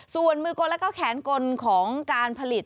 ส่วนมือกลแล้วก็แขนกลของการผลิต